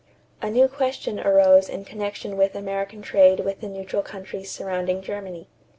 A new question arose in connection with American trade with the neutral countries surrounding Germany.